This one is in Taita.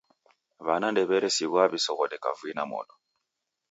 W'ana ndew'eresighwaa w'isoghode kavui na modo.